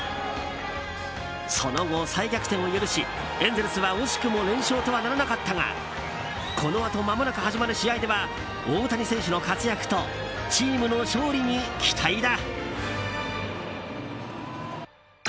その後、再逆転を許しエンゼルスは惜しくも連勝とはならなかったがこのあとまもなく始まる試合では大谷選手の活躍とチームの勝利に期待だ。